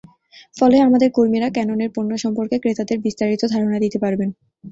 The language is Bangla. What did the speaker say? ফলে আমাদের কর্মীরা ক্যাননের পণ্য সম্পর্কে ক্রেতাদের বিস্তারিত ধারণা দিতে পারবেন।